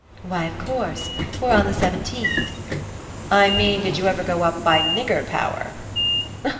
"Why, of course ! We're on the seven teenth." "I mean, did you ever go up by nigger power?"